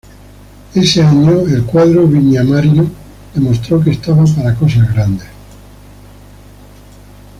Ese año el cuadro viñamarino demostró que estaba para cosas grandes.